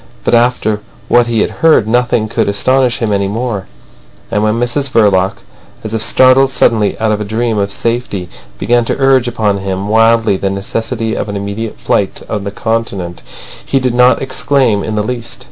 But after what he had heard nothing could astonish him any more. And when Mrs Verloc, as if startled suddenly out of a dream of safety, began to urge upon him wildly the necessity of an immediate flight on the Continent, he did not exclaim in the least.